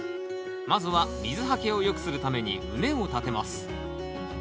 まずは水はけを良くするために畝を立てます。